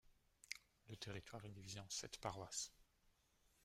Le territoire est divisé en sept paroisses.